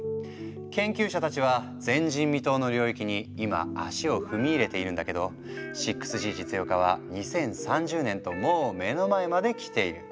研究者たちは前人未踏の領域に今足を踏み入れているんだけど６Ｇ実用化は２０３０年ともう目の前まで来ている。